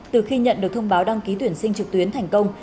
từ khi nhận được thông báo đăng ký tuyển sinh trực tuyến thành công